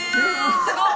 すごっ！